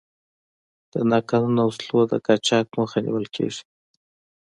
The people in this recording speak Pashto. د ناقانونه وسلو د قاچاق مخه نیولې.